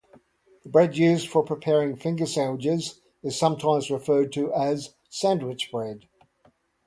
The bread used for preparing finger sandwiches is sometimes referred to as sandwich bread.